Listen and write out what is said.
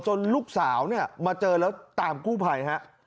จนลูกสาวมาเจอแล้วตามกู้ไพยนะ